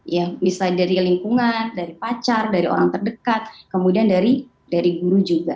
ya misalnya dari lingkungan dari pacar dari orang terdekat kemudian dari guru juga